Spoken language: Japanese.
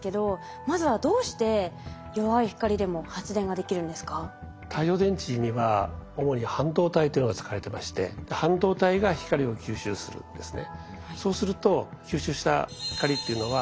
まずは太陽電池には主に半導体というのが使われてまして半導体が光を吸収するんですね。